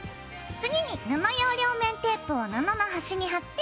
次に布用両面テープを布の端に貼って。